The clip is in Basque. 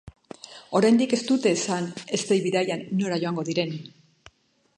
Oraindik ez dute esan eztei-bidaian nora joango diren.